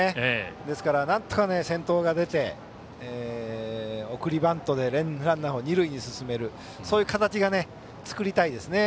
ですから、なんとか先頭が出て送りバントでランナーを二塁へ進める形が作りたいですね